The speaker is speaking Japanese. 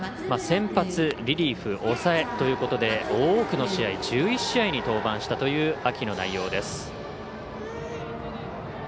先発、リリーフ、抑えというこで多くの試合１１試合に登板したという秋の内容です。